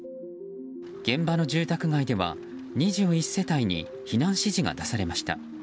現場の住宅街では２１世帯に避難指示が出されました。